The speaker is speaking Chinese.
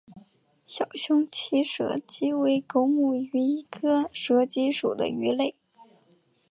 小胸鳍蛇鲻为狗母鱼科蛇鲻属的鱼类。